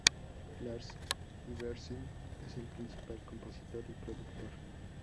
Lars Iversen es el principal compositor y productor.